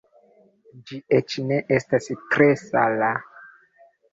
Ĝi eĉ ne estas tre sala.